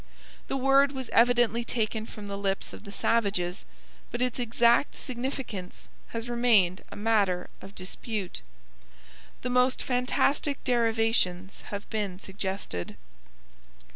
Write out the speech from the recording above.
The word was evidently taken from the lips of the savages, but its exact significance has remained a matter of dispute. The most fantastic derivations have been suggested.